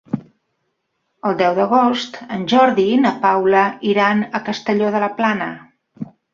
El deu d'agost en Jordi i na Paula iran a Castelló de la Plana.